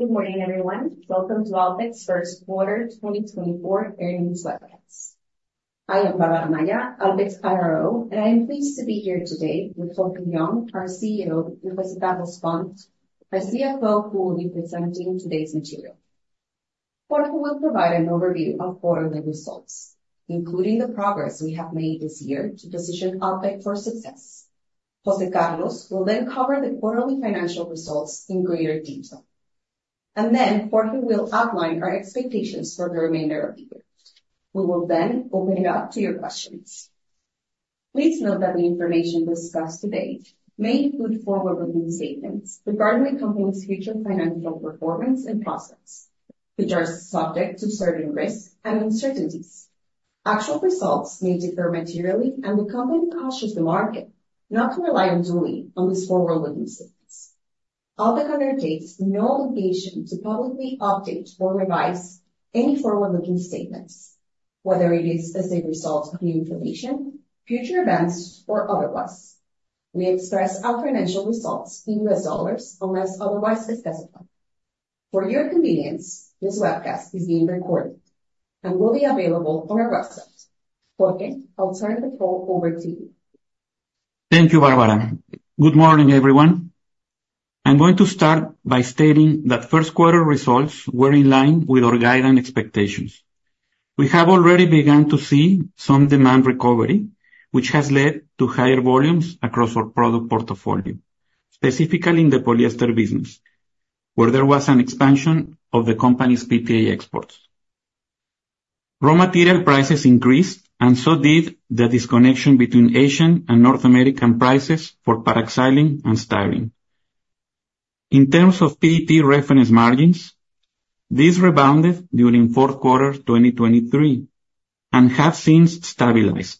Good morning, everyone. Welcome to Alpek's first quarter 2024 earnings webcast. I am Bárbara Amaya, Alpek's IRO, and I am pleased to be here today with Jorge Young, our CEO, José Carlos Pons, our CFO who will be presenting today's material. Jorge will provide an overview of quarterly results, including the progress we have made this year to position Alpek for success. José Carlos will then cover the quarterly financial results in greater detail, and then Jorge will outline our expectations for the remainder of the year. We will then open it up to your questions. Please note that the information discussed today may include forward-looking statements regarding the company's future financial performance and prospects, which are subject to certain risks and uncertainties. Actual results may differ materially, and the company cautions the market not to rely unduly on these forward-looking statements. Alpek undertakes no obligation to publicly update or revise any forward-looking statements, whether it is as a result of new information, future events, or otherwise. We express our financial results in U.S. dollars unless otherwise specified. For your convenience, this webcast is being recorded and will be available on our website. Jorge, I'll turn the call over to you. Thank you, Bárbara. Good morning, everyone. I'm going to start by stating that first quarter results were in line with our guideline expectations. We have already begun to see some demand recovery, which has led to higher volumes across our product portfolio, specifically in the polyester business, where there was an expansion of the company's PTA exports. Raw material prices increased, and so did the disconnection between Asian and North American prices for paraxylene and styrene. In terms of PET reference margins, these rebounded during fourth quarter 2023 and have since stabilized.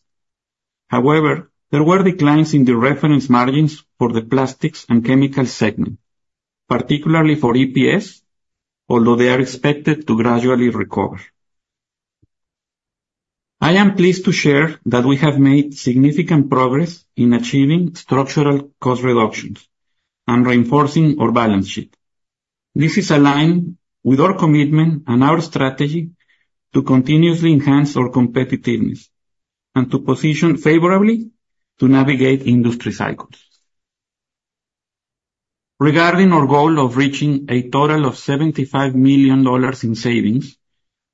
However, there were declines in the reference margins for the Plastics and Chemicals segment, particularly for EPS, although they are expected to gradually recover. I am pleased to share that we have made significant progress in achieving structural cost reductions and reinforcing our balance sheet. This is aligned with our commitment and our strategy to continuously enhance our competitiveness and to position favorably to navigate industry cycles. Regarding our goal of reaching a total of $75 million in savings,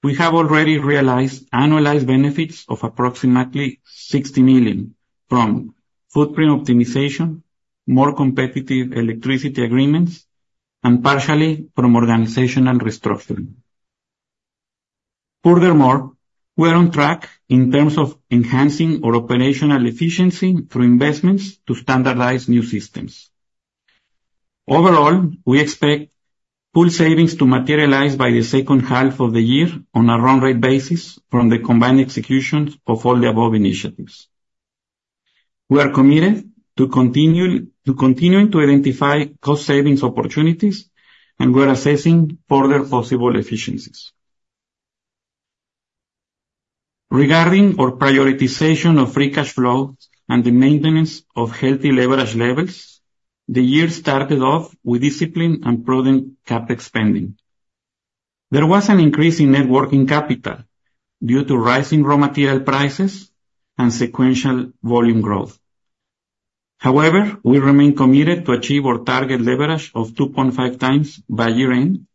we have already realized annualized benefits of approximately $60 million from footprint optimization, more competitive electricity agreements, and partially from organizational restructuring. Furthermore, we are on track in terms of enhancing our operational efficiency through investments to standardize new systems. Overall, we expect full savings to materialize by the second half of the year on a run rate basis from the combined execution of all the above initiatives. We are committed to continuing to identify cost savings opportunities, and we are assessing further possible efficiencies. Regarding our prioritization of free cash flow and the maintenance of healthy leverage levels, the year started off with discipline and prudent CapEx spending. There was an increase in net working capital due to rising raw material prices and sequential volume growth. However, we remain committed to achieve our target leverage of 2.5x by year-end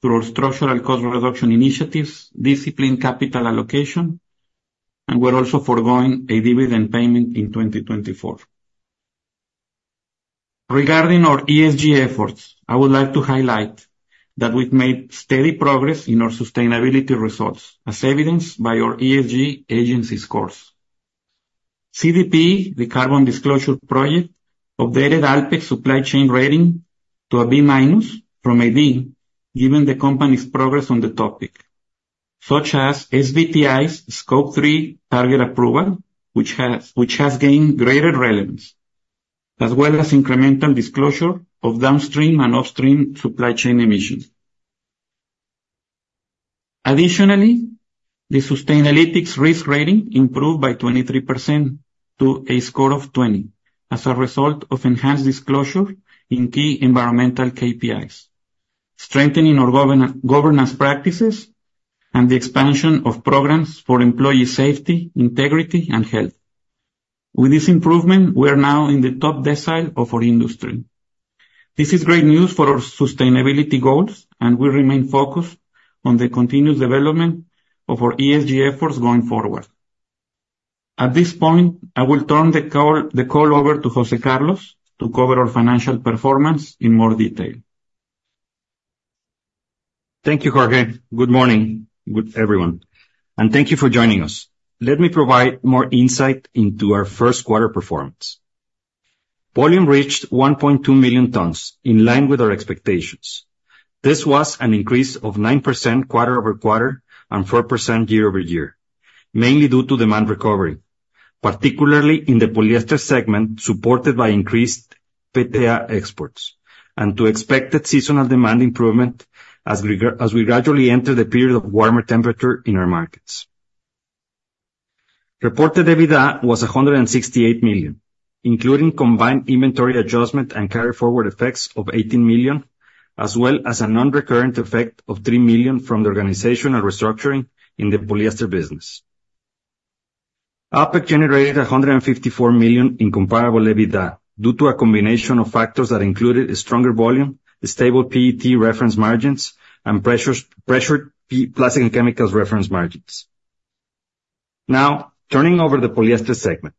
through our structural cost reduction initiatives, disciplined capital allocation, and we're also forgoing a dividend payment in 2024. Regarding our ESG efforts, I would like to highlight that we've made steady progress in our sustainability results, as evidenced by our ESG agency scores. CDP, the Carbon Disclosure Project, updated Alpek's supply chain rating to a B- from a D, given the company's progress on the topic, such as SBTi's Scope 3 target approval, which has gained greater relevance, as well as incremental disclosure of downstream and upstream supply chain emissions. Additionally, the Sustainalytics risk rating improved by 23% to a score of 20 as a result of enhanced disclosure in key environmental KPIs, strengthening our governance practices, and the expansion of programs for employee safety, integrity, and health. With this improvement, we are now in the top decile of our industry. This is great news for our sustainability goals, and we remain focused on the continuous development of our ESG efforts going forward. At this point, I will turn the call over to José Carlos to cover our financial performance in more detail. Thank you, Jorge. Good morning, everyone, and thank you for joining us. Let me provide more insight into our first quarter performance. Volume reached 1.2 million tons, in line with our expectations. This was an increase of 9% quarter-over-quarter and 4% year-over-year, mainly due to demand recovery, particularly in the Polyester segment supported by increased PTA exports and to expected seasonal demand improvement as we gradually enter the period of warmer temperature in our markets. Reported EBITDA was $168 million, including combined inventory adjustment and carry-forward effects of $18 million, as well as a non-recurrent effect of $3 million from the organizational restructuring in the polyester business. Alpek generated $154 million in comparable EBITDA due to a combination of factors that included stronger volume, stable PET reference margins, and pressured plastic and chemicals reference margins. Now, turning over the Polyester segment.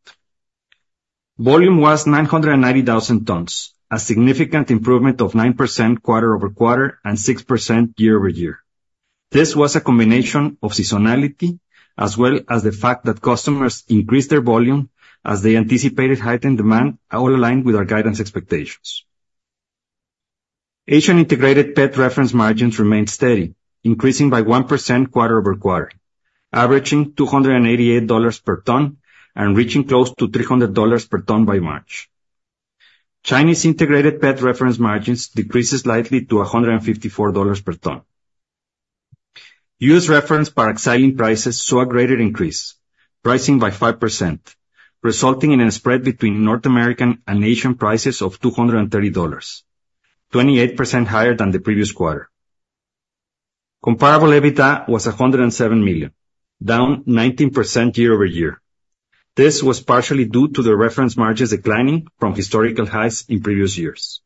Volume was 990,000 tons, a significant improvement of 9% quarter-over-quarter and 6% year-over-year. This was a combination of seasonality as well as the fact that customers increased their volume as they anticipated heightened demand, all aligned with our guidance expectations. Asian integrated PET reference margins remained steady, increasing by 1% quarter-over-quarter, averaging $288 per ton and reaching close to $300 per ton by March. Chinese integrated PET reference margins decreased slightly to $154 per ton. U.S. reference paraxylene prices saw a greater increase, rising by 5%, resulting in a spread between North American and Asian prices of $230, 28% higher than the previous quarter. Comparable EBITDA was $107 million, down 19% year-over-year. This was partially due to the reference margins declining from historical highs in previous years.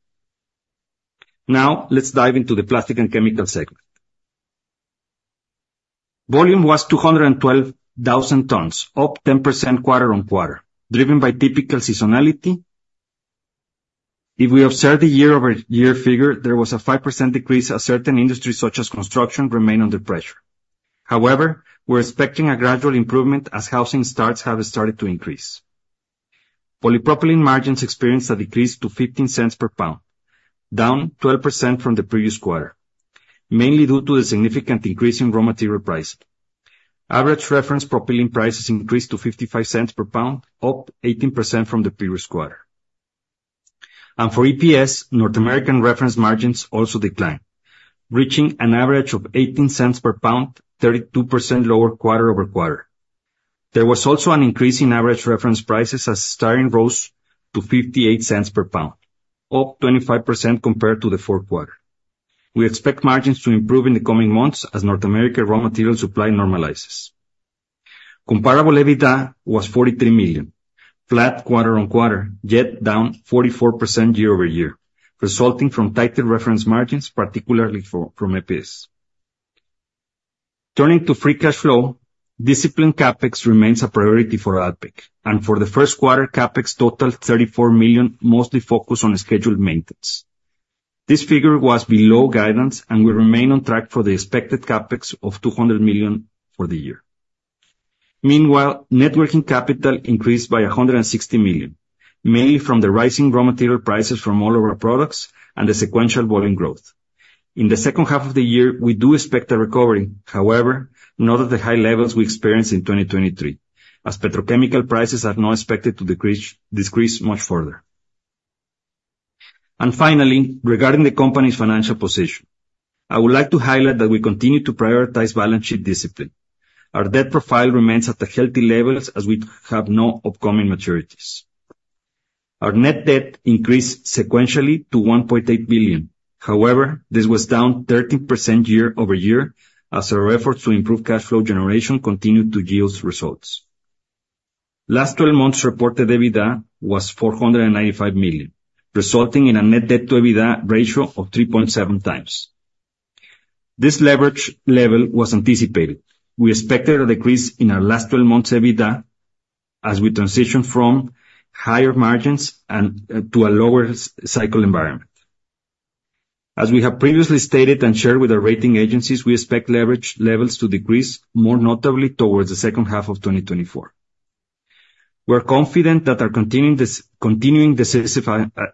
Now, let's dive into the Plastics and Chemicals segment. Volume was 212,000 tons, up 10% quarter-over-quarter, driven by typical seasonality. If we observe the year-over-year figure, there was a 5% decrease as certain industries such as construction remain under pressure. However, we're expecting a gradual improvement as housing starts have started to increase. Polypropylene margins experienced a decrease to $0.15 per pound, down 12% from the previous quarter, mainly due to the significant increase in raw material pricing. Average reference propylene prices increased to $0.55 per pound, up 18% from the previous quarter. For EPS, North American reference margins also declined, reaching an average of $0.18 per pound, 32% lower quarter-over-quarter. There was also an increase in average reference prices as styrene rose to $0.58 per pound, up 25% compared to the fourth quarter. We expect margins to improve in the coming months as North American raw material supply normalizes. Comparable EBITDA was $43 million, flat quarter on quarter, yet down 44% year-over-year, resulting from tighter reference margins, particularly from EPS. Turning to free cash flow, disciplined CapEx remains a priority for Alpek, and for the first quarter, CapEx totaled $34 million, mostly focused on scheduled maintenance. This figure was below guidance, and we remain on track for the expected CapEx of $200 million for the year. Meanwhile, net working capital increased by $160 million, mainly from the rising raw material prices from all of our products and the sequential volume growth. In the second half of the year, we do expect a recovery, however, not at the high levels we experienced in 2023, as petrochemical prices are not expected to decrease much further. And finally, regarding the company's financial position, I would like to highlight that we continue to prioritize balance sheet discipline. Our debt profile remains at healthy levels as we have no upcoming maturities. Our net debt increased sequentially to $1.8 billion. However, this was down 13% year-over-year as our efforts to improve cash flow generation continued to yield results. Last 12 months reported EBITDA was $495 million, resulting in a net debt to EBITDA ratio of 3.7x. This leverage level was anticipated. We expected a decrease in our last 12 months EBITDA as we transitioned from higher margins to a lower cycle environment. As we have previously stated and shared with our rating agencies, we expect leverage levels to decrease more notably towards the second half of 2024. We're confident that our continuing decisive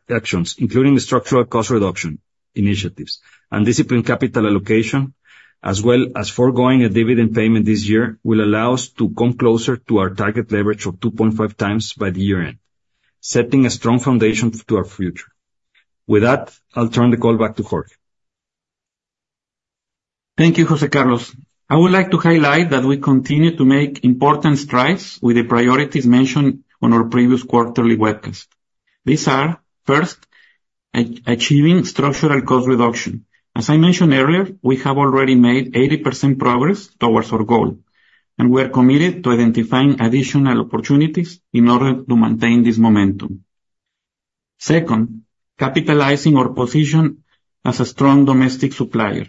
actions, including the structural cost reduction initiatives and disciplined capital allocation, as well as forgoing a dividend payment this year, will allow us to come closer to our target leverage of 2.5x by the year-end, setting a strong foundation to our future. With that, I'll turn the call back to Jorge. Thank you, José Carlos. I would like to highlight that we continue to make important strides with the priorities mentioned on our previous quarterly webcast. These are, first, achieving structural cost reduction. As I mentioned earlier, we have already made 80% progress towards our goal, and we are committed to identifying additional opportunities in order to maintain this momentum. Second, capitalizing our position as a strong domestic supplier.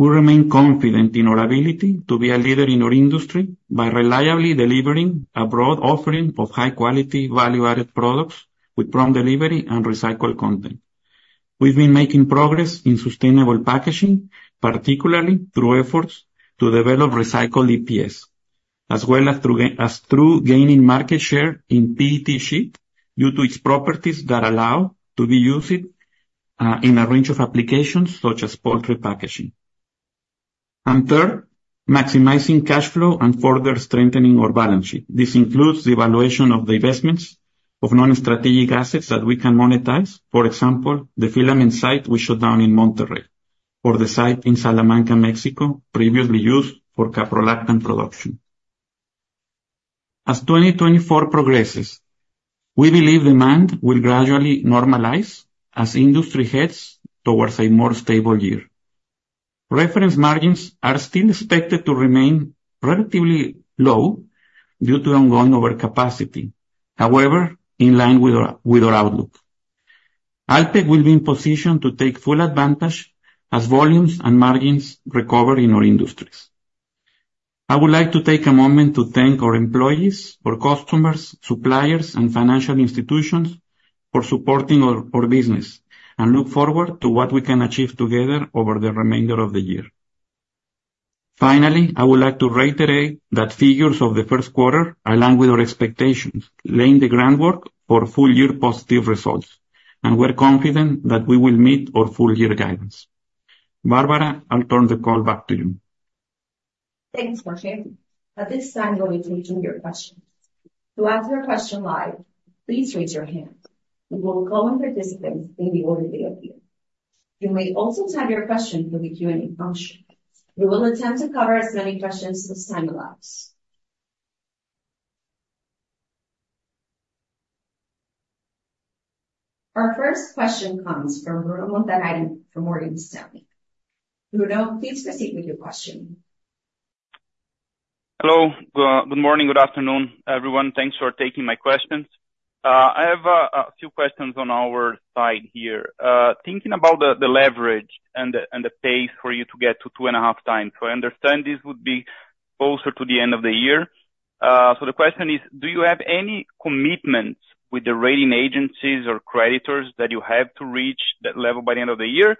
We remain confident in our ability to be a leader in our industry by reliably delivering a broad offering of high-quality, value-added products with prompt delivery and recycled content. We've been making progress in sustainable packaging, particularly through efforts to develop recycled EPS, as well as through gaining market share in PET sheet due to its properties that allow it to be used in a range of applications such as poultry packaging. Third, maximizing cash flow and further strengthening our balance sheet. This includes the evaluation of the investments of non-strategic assets that we can monetize, for example, the filament site we shut down in Monterrey, or the site in Salamanca, Mexico, previously used for caprolactam production. As 2024 progresses, we believe demand will gradually normalize as industry heads towards a more stable year. Reference margins are still expected to remain relatively low due to ongoing overcapacity, however, in line with our outlook. Alpek will be in position to take full advantage as volumes and margins recover in our industries. I would like to take a moment to thank our employees, our customers, suppliers, and financial institutions for supporting our business and look forward to what we can achieve together over the remainder of the year. Finally, I would like to reiterate that figures of the first quarter align with our expectations, laying the groundwork for full-year positive results, and we're confident that we will meet our full-year guidance. Bárbara, I'll turn the call back to you. Thanks, Jorge. At this time, we'll be taking your questions. To ask your question live, please raise your hand. We will call in participants in the order they appear. You may also type your question through the Q&A function. We will attempt to cover as many questions as time allows. Our first question comes from Bruno Montanari from Morgan Stanley. Bruno, please proceed with your question. Hello. Good morning. Good afternoon, everyone. Thanks for taking my questions. I have a few questions on our side here. Thinking about the leverage and the pace for you to get to 2.5x, so I understand this would be closer to the end of the year. So the question is, do you have any commitments with the rating agencies or creditors that you have to reach that level by the end of the year,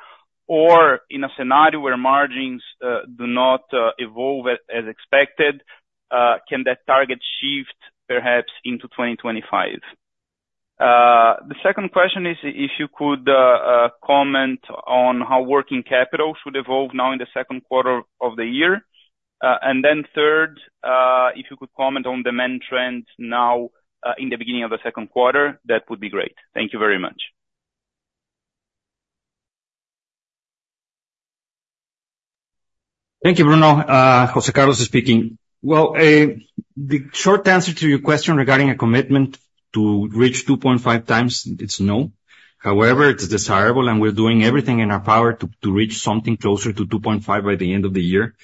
or in a scenario where margins do not evolve as expected, can that target shift perhaps into 2025? The second question is if you could comment on how working capital should evolve now in the second quarter of the year. And then third, if you could comment on demand trends now in the beginning of the second quarter, that would be great. Thank you very much. Thank you, Bruno. José Carlos is speaking. Well, the short answer to your question regarding a commitment to reach 2.5x, it's no. However, it's desirable, and we're doing everything in our power to reach something closer to 2.5x by the end of the year.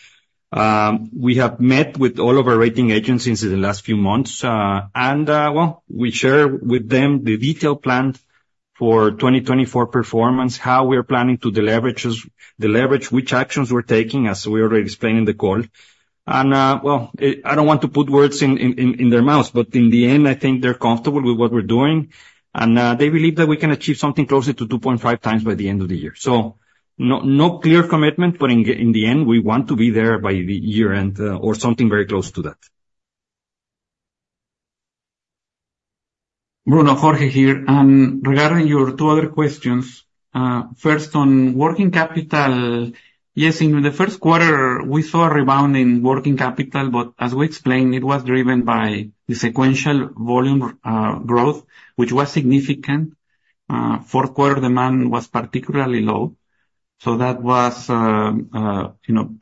We have met with all of our rating agencies in the last few months, and, well, we share with them the detailed plan for 2024 performance, how we are planning to leverage which actions we're taking, as we already explained in the call. And, well, I don't want to put words in their mouths, but in the end, I think they're comfortable with what we're doing, and they believe that we can achieve something closer to 2.5x by the end of the year. No clear commitment, but in the end, we want to be there by the year-end or something very close to that. Bruno, Jorge here. Regarding your two other questions, first on working capital. Yes, in the first quarter, we saw a rebound in working capital, but as we explained, it was driven by the sequential volume growth, which was significant. Fourth quarter demand was particularly low, so that was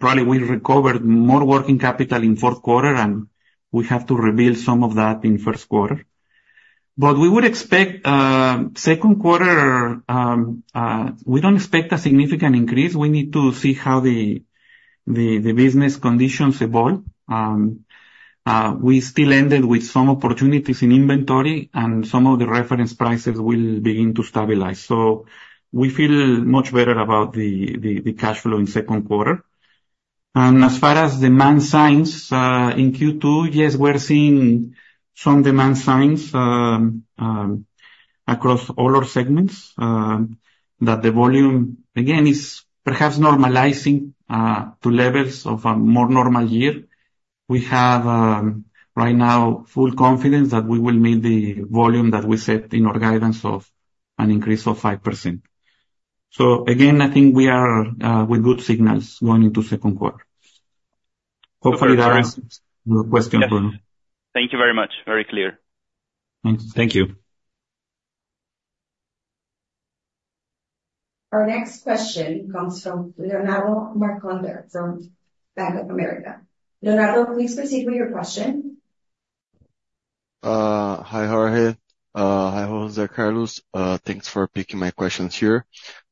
probably we recovered more working capital in fourth quarter, and we have to reveal some of that in first quarter. But we would expect second quarter, we don't expect a significant increase. We need to see how the business conditions evolve. We still ended with some opportunities in inventory, and some of the reference prices will begin to stabilize. So we feel much better about the cash flow in second quarter. As far as demand signs in Q2, yes, we're seeing some demand signs across all our segments that the volume, again, is perhaps normalizing to levels of a more normal year. We have right now full confidence that we will meet the volume that we set in our guidance of an increase of 5%. So, again, I think we are with good signals going into second quarter. Hopefully, that answers your question, Bruno. Thank you very much. Very clear. Thank you. Our next question comes from Leonardo Marcondes from Bank of America. Leonardo, please proceed with your question. Hi, Jorge. Hi, José Carlos. Thanks for picking my questions here.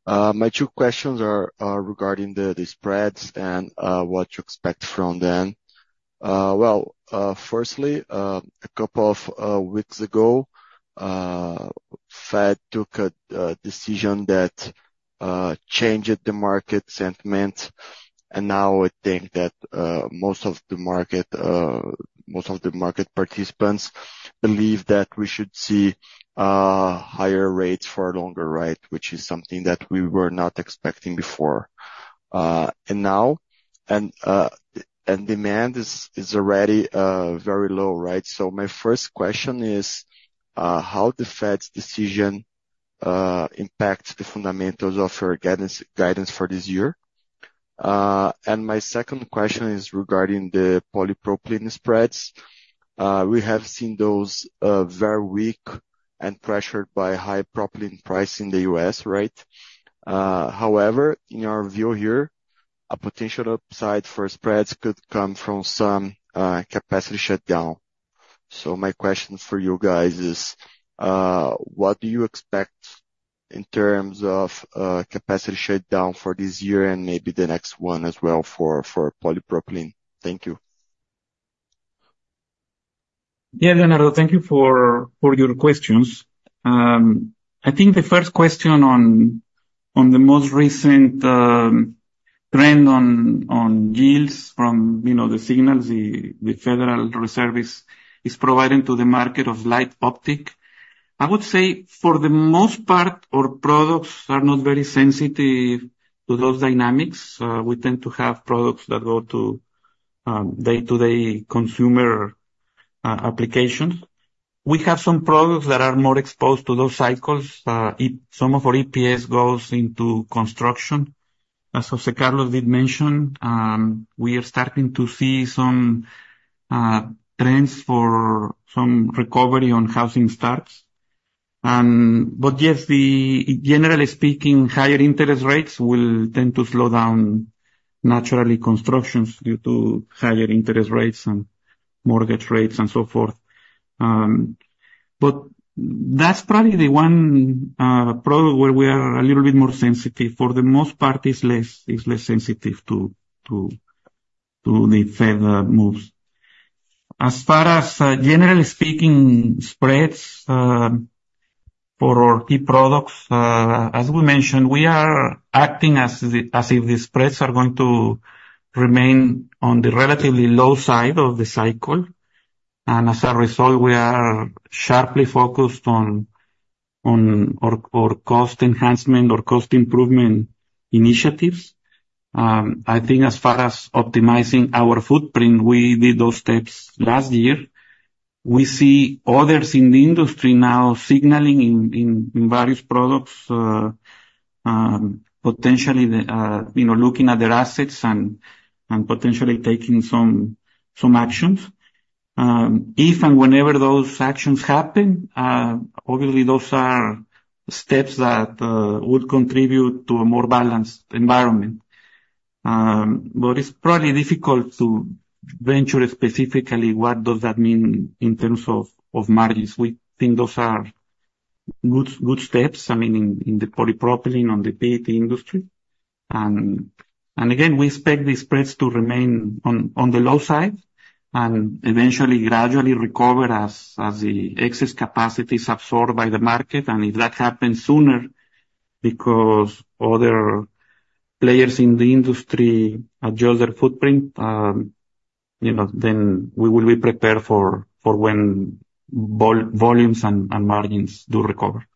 My two questions are regarding the spreads and what to expect from them. Well, firstly, a couple of weeks ago, Fed took a decision that changed the market sentiment, and now I think that most of the market participants believe that we should see higher rates for longer, right, which is something that we were not expecting before. And now, and demand is already very low, right? So my first question is, how the Fed's decision impacts the fundamentals of our guidance for this year? And my second question is regarding the polypropylene spreads. We have seen those very weak and pressured by high propylene price in the U.S., right? However, in our view here, a potential upside for spreads could come from some capacity shutdown. My question for you guys is, what do you expect in terms of capacity shutdown for this year and maybe the next one as well for polypropylene? Thank you. Yeah, Leonardo, thank you for your questions. I think the first question on the most recent trend on yields from the signals the Federal Reserve is providing to the market outlook. I would say, for the most part, our products are not very sensitive to those dynamics. We tend to have products that go to day-to-day consumer applications. We have some products that are more exposed to those cycles. Some of our EPS goes into construction. As José Carlos did mention, we are starting to see some trends for some recovery on housing starts. But yes, generally speaking, higher interest rates will tend to slow down naturally constructions due to higher interest rates and mortgage rates and so forth. But that's probably the one product where we are a little bit more sensitive. For the most part, it's less sensitive to the Fed moves. As far as generally speaking, spreads for our key products, as we mentioned, we are acting as if the spreads are going to remain on the relatively low side of the cycle. As a result, we are sharply focused on our cost enhancement or cost improvement initiatives. I think as far as optimizing our footprint, we did those steps last year. We see others in the industry now signaling in various products, potentially looking at their assets and potentially taking some actions. If and whenever those actions happen, obviously, those are steps that would contribute to a more balanced environment. But it's probably difficult to venture specifically what does that mean in terms of margins. We think those are good steps, I mean, in the polypropylene, on the PET industry. And again, we expect the spreads to remain on the low side and eventually gradually recover as the excess capacity is absorbed by the market. And if that happens sooner because other players in the industry adjust their footprint, then we will be prepared for when volumes and margins do recover.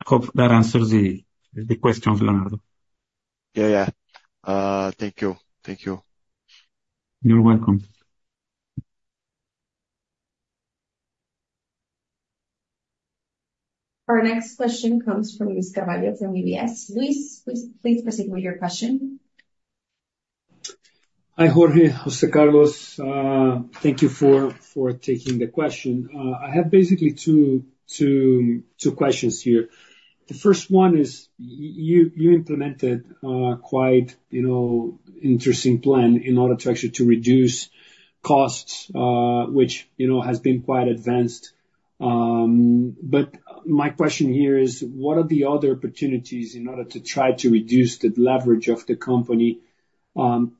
I hope that answers the questions, Leonardo. Yeah, yeah. Thank you. Thank you. You're welcome. Our next question comes from Luiz Carvalho from UBS. Luiz, please proceed with your question. Hi, Jorge. José Carlos, thank you for taking the question. I have basically two questions here. The first one is, you implemented quite an interesting plan in order to actually reduce costs, which has been quite advanced. But my question here is, what are the other opportunities in order to try to reduce the leverage of the company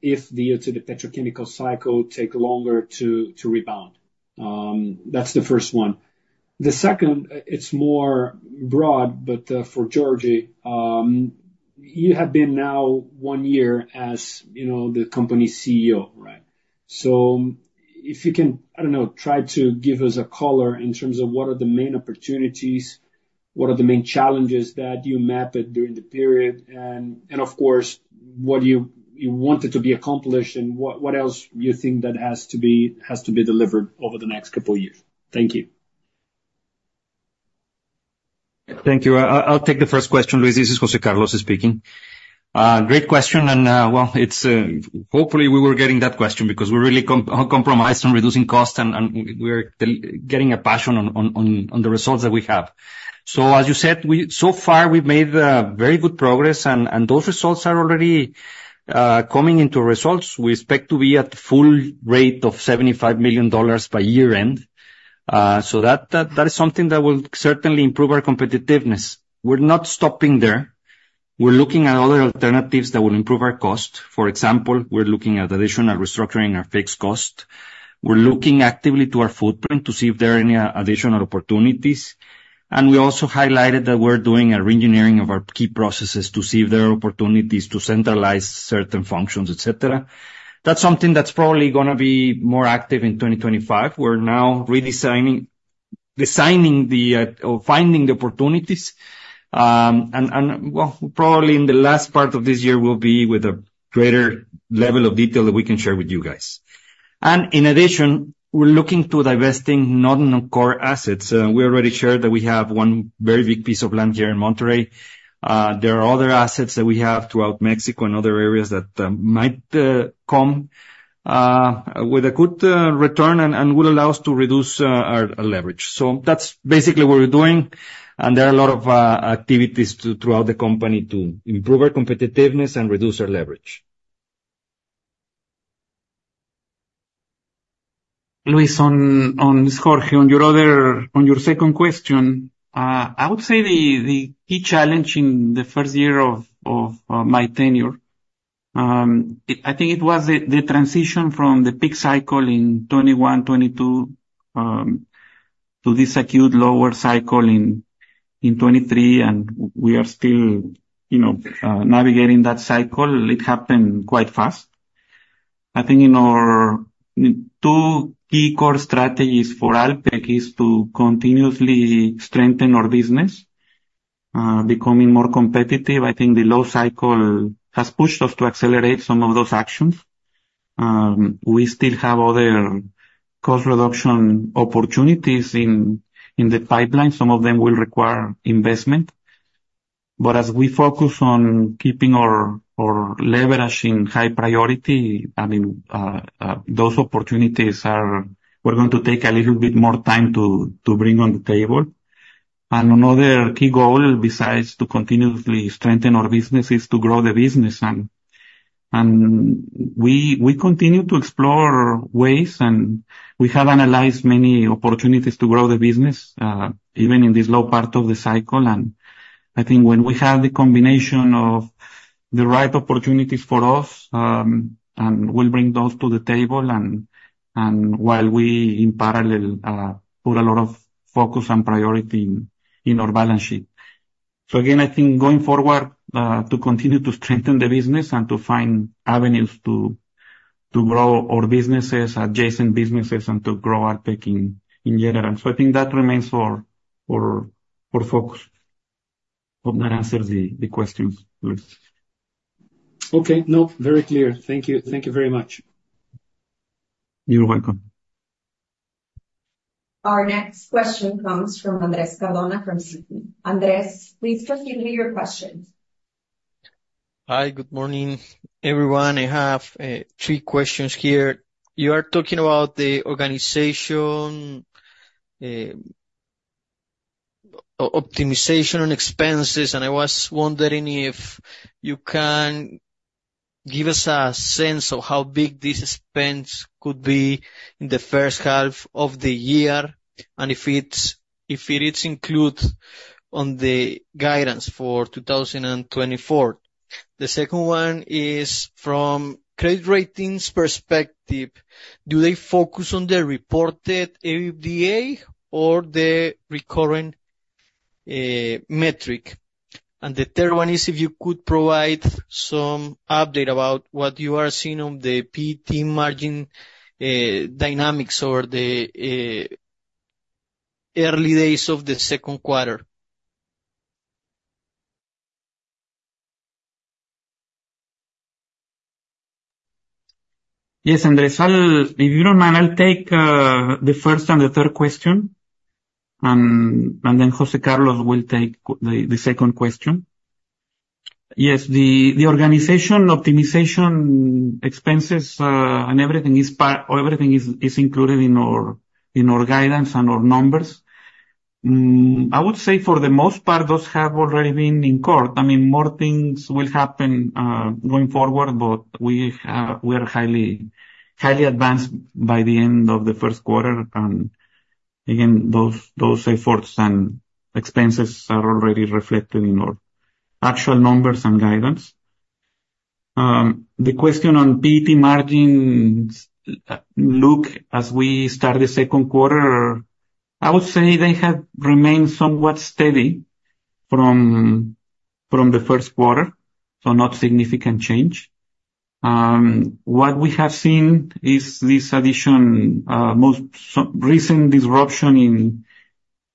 if the petrochemical cycle takes longer to rebound? That's the first one. The second, it's more broad, but for Jorge, you have been now one year as the company's CEO, right? So if you can, I don't know, try to give us a color in terms of what are the main opportunities, what are the main challenges that you mapped during the period, and of course, what you wanted to be accomplished, and what else you think that has to be delivered over the next couple of years. Thank you. Thank you. I'll take the first question, Luiz. This is José Carlos speaking. Great question. And, well, hopefully, we were getting that question because we're really compromised on reducing costs, and we are getting a passion on the results that we have. So as you said, so far, we've made very good progress, and those results are already coming into results. We expect to be at full rate of $75 million by year-end. So that is something that will certainly improve our competitiveness. We're not stopping there. We're looking at other alternatives that will improve our cost. For example, we're looking at additional restructuring our fixed cost. We're looking actively to our footprint to see if there are any additional opportunities. And we also highlighted that we're doing a re-engineering of our key processes to see if there are opportunities to centralize certain functions, etc. That's something that's probably going to be more active in 2025. We're now redesigning, designing, or finding the opportunities. And, well, probably in the last part of this year, we'll be with a greater level of detail that we can share with you guys. And in addition, we're looking to divesting non-core assets. We already shared that we have one very big piece of land here in Monterrey. There are other assets that we have throughout Mexico and other areas that might come with a good return and will allow us to reduce our leverage. So that's basically what we're doing. And there are a lot of activities throughout the company to improve our competitiveness and reduce our leverage. Luiz, Jorge here and on your second question, I would say the key challenge in the first year of my tenure, I think it was the transition from the peak cycle in 2021, 2022 to this acute lower cycle in 2023, and we are still navigating that cycle. It happened quite fast. I think two key core strategies for Alpek is to continuously strengthen our business, becoming more competitive. I think the low cycle has pushed us to accelerate some of those actions. We still have other cost reduction opportunities in the pipeline. Some of them will require investment. But as we focus on keeping our leverage in high priority, I mean, those opportunities are we're going to take a little bit more time to bring on the table. And another key goal besides to continuously strengthen our business is to grow the business. We continue to explore ways, and we have analyzed many opportunities to grow the business, even in this low part of the cycle. I think when we have the combination of the right opportunities for us, we'll bring those to the table while we in parallel put a lot of focus and priority in our balance sheet. Again, I think going forward to continue to strengthen the business and to find avenues to grow our businesses, adjacent businesses, and to grow Alpek in general. I think that remains our focus. Hope that answers the questions, Luiz. Okay. No, very clear. Thank you very much. You're welcome. Our next question comes from Andrés Cardona from Citi. Andrés, please proceed with your question. Hi, good morning, everyone. I have three questions here. You are talking about the organization optimization and expenses, and I was wondering if you can give us a sense of how big these expenses could be in the first half of the year and if it's included on the guidance for 2024. The second one is, from credit ratings perspective, do they focus on the reported EBITDA or the recurring metric? And the third one is if you could provide some update about what you are seeing on the PET margin dynamics over the early days of the second quarter. Yes, Andrés. If you don't mind, I'll take the first and the third question, and then José Carlos will take the second question. Yes, the organization optimization expenses and everything is included in our guidance and our numbers. I would say, for the most part, those have already been incurred. I mean, more things will happen going forward, but we are highly advanced by the end of the first quarter. And again, those efforts and expenses are already reflected in our actual numbers and guidance. The question on PET margin look, as we start the second quarter, I would say they have remained somewhat steady from the first quarter, so not significant change. What we have seen is this additional, most recent disruption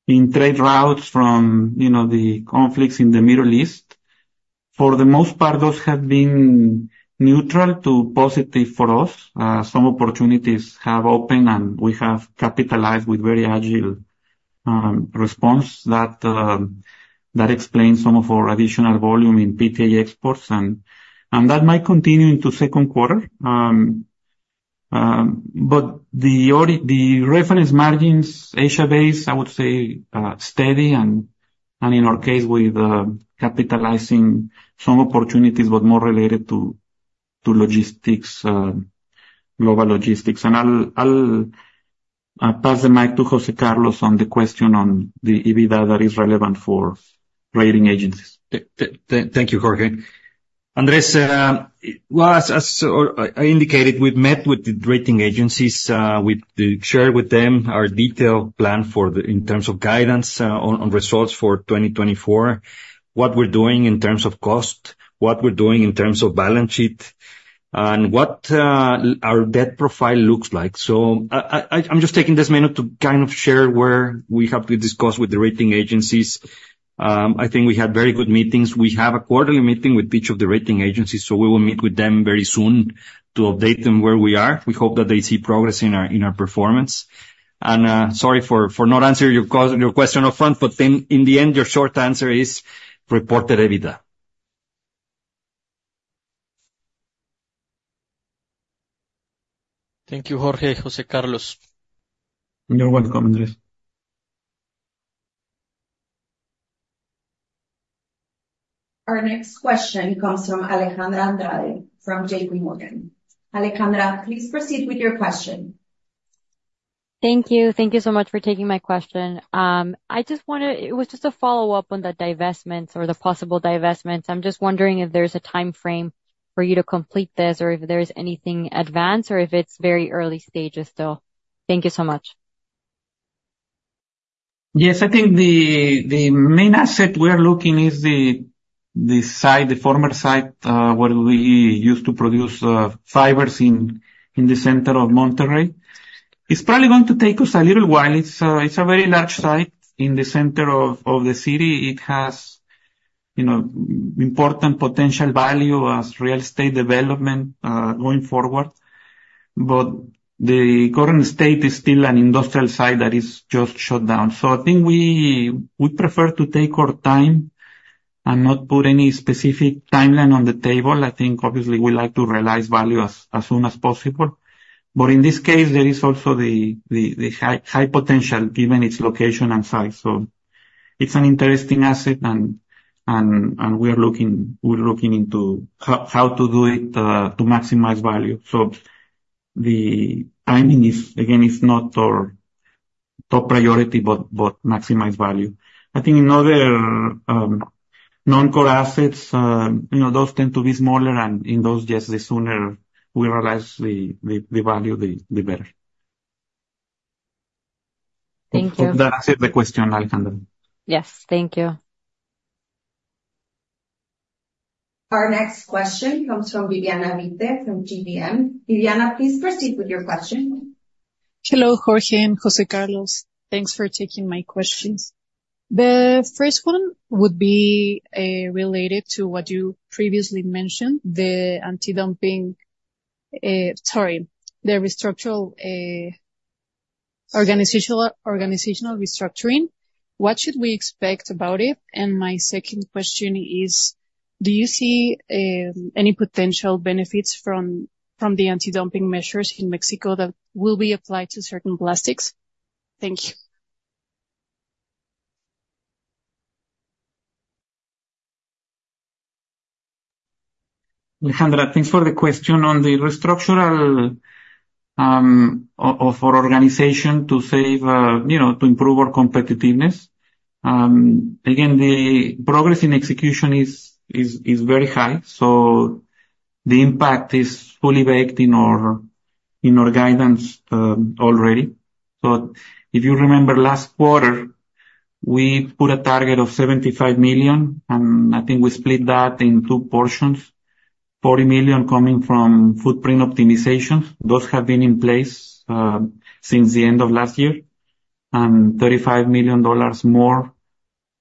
in trade routes from the conflicts in the Middle East. For the most part, those have been neutral to positive for us. Some opportunities have opened, and we have capitalized with very agile response that explains some of our additional volume in PTA exports. And that might continue into second quarter. But the reference margins, Asia-based, I would say steady, and in our case, we've capitalized on some opportunities, but more related to global logistics. And I'll pass the mic to José Carlos on the question on the EBITDA that is relevant for rating agencies. Thank you, Jorge. Andrés, well, as I indicated, we've met with the rating agencies, shared with them our detailed plan in terms of guidance on results for 2024, what we're doing in terms of cost, what we're doing in terms of balance sheet, and what our debt profile looks like. So I'm just taking this minute to kind of share where we have discussed with the rating agencies. I think we had very good meetings. We have a quarterly meeting with each of the rating agencies, so we will meet with them very soon to update them where we are. We hope that they see progress in our performance. And sorry for not answering your question upfront, but in the end, your short answer is reported EBITDA. Thank you, Jorge. José Carlos. You're welcome, Andrés. Our next question comes from Alejandra Andrade from JPMorgan. Alejandra, please proceed with your question. Thank you. Thank you so much for taking my question. I just wanted to. It was just a follow-up on the divestments or the possible divestments. I'm just wondering if there's a timeframe for you to complete this or if there's anything advanced or if it's very early stages still. Thank you so much. Yes, I think the main asset we are looking is the former site where we used to produce fibers in the center of Monterrey. It's probably going to take us a little while. It's a very large site in the center of the city. It has important potential value as real estate development going forward. But the current state is still an industrial site that is just shut down. So I think we prefer to take our time and not put any specific timeline on the table. I think, obviously, we like to realize value as soon as possible. But in this case, there is also the high potential given its location and size. So it's an interesting asset, and we are looking into how to do it to maximize value. So the timing, again, is not our top priority, but maximize value. I think in other non-core assets, those tend to be smaller, and in those, yes, the sooner we realize the value, the better. Thank you. I hope that answers the question, Alejandra. Yes. Thank you. Our next question comes from Viviana Vite from GBM. Viviana, please proceed with your question. Hello, Jorge. José Carlos, thanks for taking my questions. The first one would be related to what you previously mentioned, the anti-dumping sorry, the organizational restructuring. What should we expect about it? And my second question is, do you see any potential benefits from the anti-dumping measures in Mexico that will be applied to certain plastics? Thank you. Alejandra, thanks for the question on the restructuring of our organization to improve our competitiveness. Again, the progress in execution is very high, so the impact is fully baked in our guidance already. So if you remember last quarter, we put a target of $75 million, and I think we split that in two portions, $40 million coming from footprint optimizations. Those have been in place since the end of last year, and $35 million more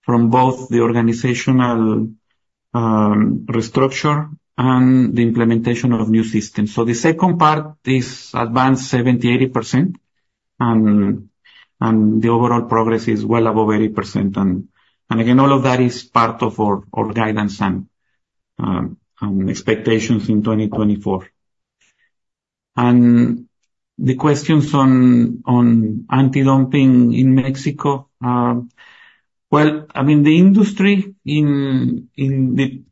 from both the organizational restructure and the implementation of new systems. So the second part is advanced 70%-80%, and the overall progress is well above 80%. And again, all of that is part of our guidance and expectations in 2024. And the questions on anti-dumping in Mexico. Well, I mean, the industry in the,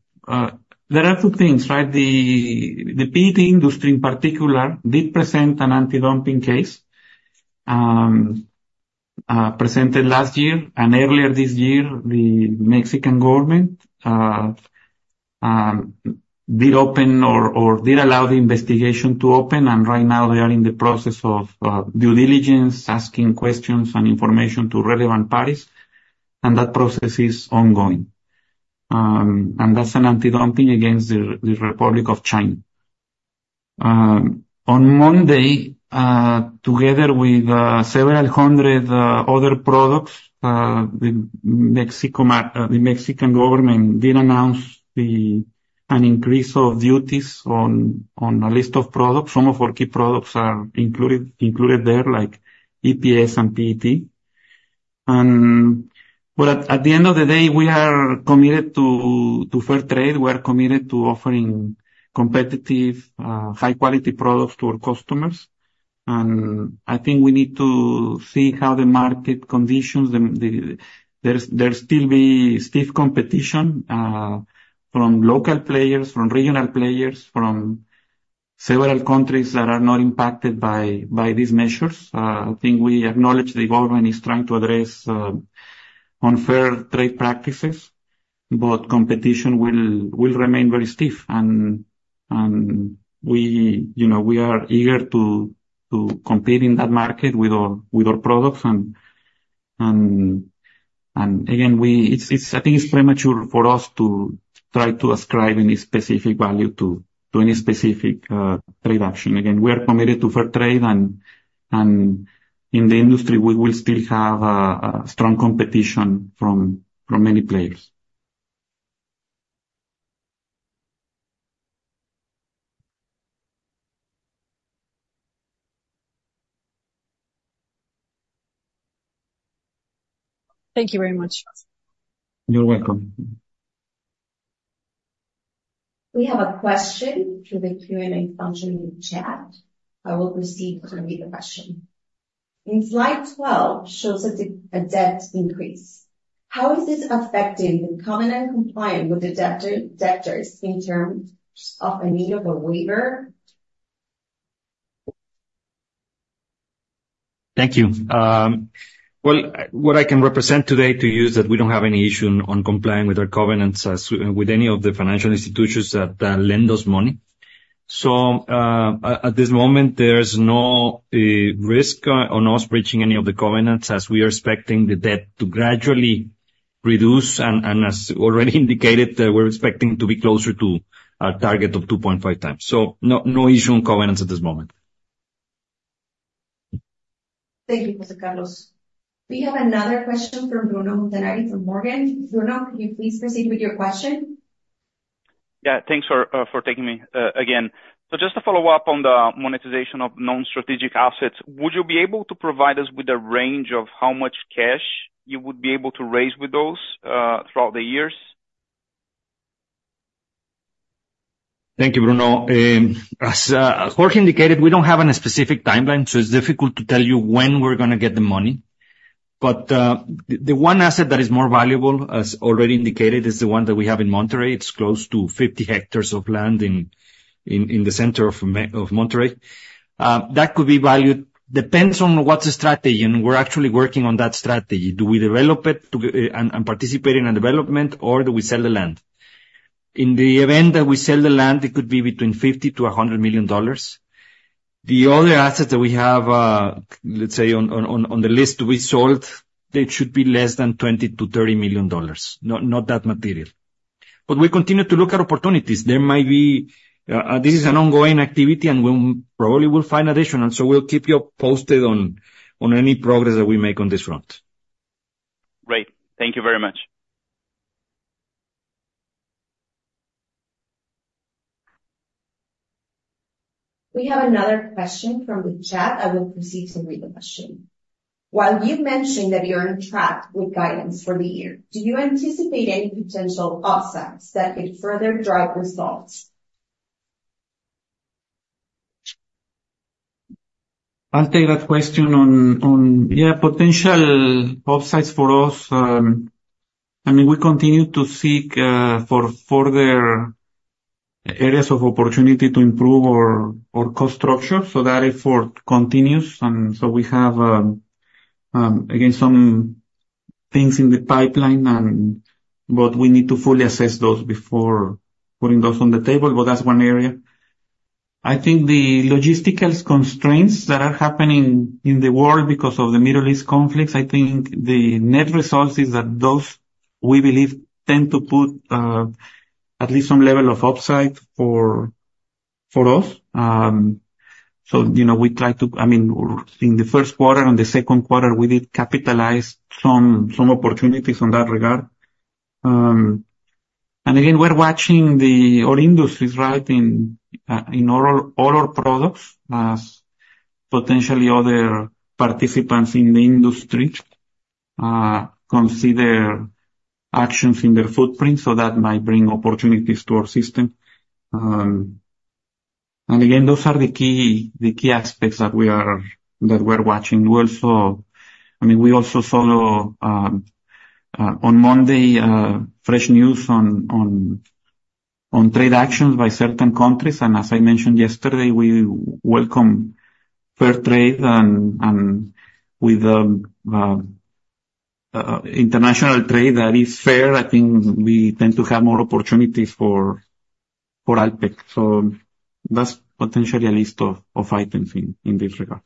there are two things, right? The PET industry, in particular, did present an anti-dumping case, presented last year, and earlier this year, the Mexican government did open or did allow the investigation to open. Right now, they are in the process of due diligence, asking questions and information to relevant parties. That process is ongoing. That's an anti-dumping against the Republic of China. On Monday, together with several hundred other products, the Mexican government did announce an increase of duties on a list of products. Some of our key products are included there, like EPS and PET. At the end of the day, we are committed to fair trade. We are committed to offering competitive, high-quality products to our customers. I think we need to see how the market conditions there'll still be stiff competition from local players, from regional players, from several countries that are not impacted by these measures. I think we acknowledge the government is trying to address unfair trade practices, but competition will remain very stiff. We are eager to compete in that market with our products. Again, I think it's premature for us to try to ascribe any specific value to any specific trade action. Again, we are committed to fair trade, and in the industry, we will still have strong competition from many players. Thank you very much. You're welcome. We have a question through the Q&A function in the chat. I will proceed to read the question. In Slide 12 shows a debt increase. How is this affecting the covenant compliance with the debtors in terms of a need of a waiver? Thank you. Well, what I can represent today to you is that we don't have any issue on complying with our covenants with any of the financial institutions that lend us money. So at this moment, there's no risk on us breaching any of the covenants as we are expecting the debt to gradually reduce. And as already indicated, we're expecting to be closer to our target of 2.5x. So no issue on covenants at this moment. Thank you, José Carlos. We have another question from Bruno Montanari from Morgan. Bruno, can you please proceed with your question? Yeah, thanks for taking my question. Again, so just to follow up on the monetization of non-strategic assets, would you be able to provide us with a range of how much cash you would be able to raise with those throughout the years? Thank you, Bruno. As Jorge indicated, we don't have a specific timeline, so it's difficult to tell you when we're going to get the money. But the one asset that is more valuable, as already indicated, is the one that we have in Monterrey. It's close to 50 hectares of land in the center of Monterrey. That could be valued depends on what's the strategy. We're actually working on that strategy. Do we develop it and participate in a development, or do we sell the land? In the event that we sell the land, it could be between $50 million-$100 million. The other assets that we have, let's say, on the list to be sold, it should be less than $20 million-$30 million, not that material. But we continue to look at opportunities. There might be, this is an ongoing activity, and we probably will find additional. So we'll keep you posted on any progress that we make on this front. Great. Thank you very much. We have another question from the chat. I will proceed to read the question. While you mentioned that you're on track with guidance for the year, do you anticipate any potential upsides that could further drive results? I'll take that question on, yeah, potential upsides for us. I mean, we continue to seek for further areas of opportunity to improve our cost structure so that effort continues. And so we have, again, some things in the pipeline, but we need to fully assess those before putting those on the table. But that's one area. I think the logistical constraints that are happening in the world because of the Middle East conflicts. I think the net results is that those, we believe, tend to put at least some level of upside for us. So we try to, I mean, in the first quarter, in the second quarter, we did capitalize some opportunities in that regard. And again, we're watching our industries, right, in all our products as potentially other participants in the industry consider actions in their footprint. So that might bring opportunities to our system. Again, those are the key aspects that we're watching. I mean, we also saw on Monday fresh news on trade actions by certain countries. As I mentioned yesterday, we welcome fair trade. With international trade that is fair, I think we tend to have more opportunities for Alpek. That's potentially a list of items in this regard.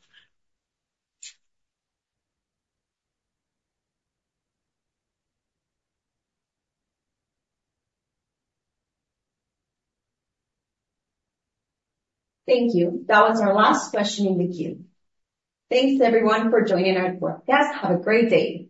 Thank you. That was our last question in the queue. Thanks, everyone, for joining our podcast. Have a great day.